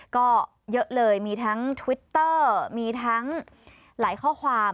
ก็เยอะเลยมีทั้งทวิตเตอร์มีทั้งหลายข้อความ